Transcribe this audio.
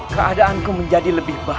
keadaanku menjadi lebih baik